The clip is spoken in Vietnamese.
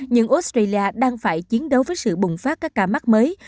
nhưng australia đang phải chiến đấu với sự bùng phát các ca mắc mới